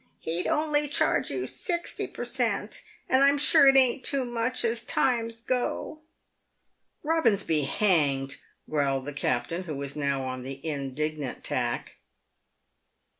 " He'd only charge you sixty per cent., and I'm sure it ain't too much, as times go." " Eobins be hanged !" growled the captain, who was now on the indignant tack.